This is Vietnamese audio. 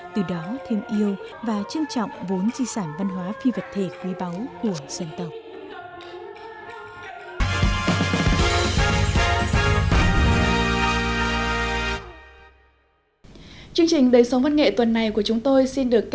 từ đó thêm yêu và trân trọng vốn di sản văn hóa phi vật thể quý báu của dân tộc